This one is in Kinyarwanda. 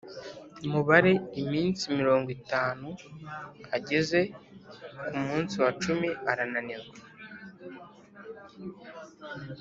Mubare iminsi mirongo itanu ageze ku munsi wa cumi arananirwa